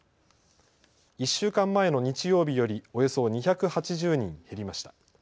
１週間前の日曜日よりおよそ２８０人減りました。